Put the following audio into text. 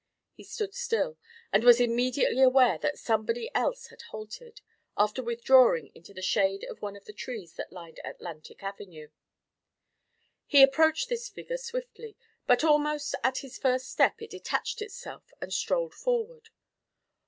He stood still, and was immediately aware that somebody else had halted, after withdrawing into the shade of one of the trees that lined Atlantic Avenue. He approached this figure swiftly, but almost at his first step it detached itself and strolled forward.